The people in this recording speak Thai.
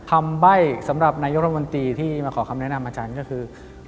ใบ้สำหรับนายกรมนตรีที่มาขอคำแนะนำอาจารย์ก็คือ